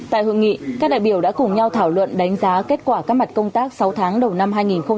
tại hội nghị các đại biểu đã cùng nhau thảo luận đánh giá kết quả các mặt công tác sáu tháng đầu năm hai nghìn hai mươi